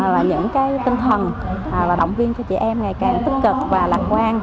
và những cái tinh thần là động viên cho chị em ngày càng tích cực và lạc quan